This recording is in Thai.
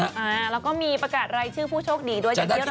แล้วก็มีประกาศรายชื่อผู้โชคดี